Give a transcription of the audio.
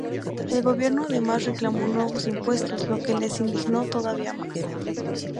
El gobierno además reclamó nuevos impuestos, lo que les indignó todavía más.